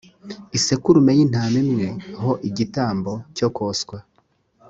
isekurume y intama imwe ho igitambo cyo koswa